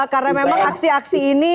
karena memang aksi aksi ini